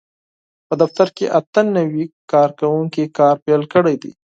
په دفتر کې اته نوي کارکوونکي کار پېل کړی دی.